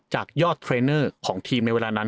จากยอดเทรนเนอร์ของทีมในเวลานั้น